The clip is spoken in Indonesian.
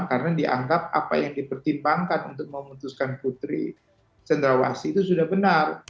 karena dianggap apa yang dipertimbangkan untuk memutuskan putri candrawati itu sudah benar